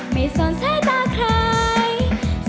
ไม่สนใส่ตาใคร